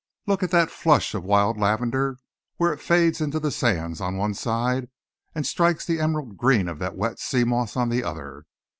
Look at that flush of wild lavender, where it fades into the sands on one side, and strikes the emerald green of that wet seamoss on the other.